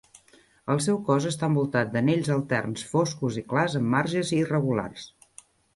El seu cos està envoltat d"anells alterns foscos i clars amb marges irregulars.